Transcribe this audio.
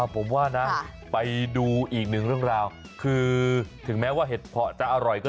ผมว่านะไปดูอีกหนึ่งเรื่องราวคือถึงแม้ว่าเห็ดเพาะจะอร่อยก็